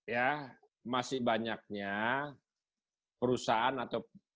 ya masih banyaknya perusahaan atau